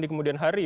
di kemudian hari